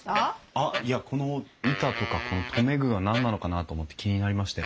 あっいやこの板とかこの留め具が何なのかなと思って気になりまして。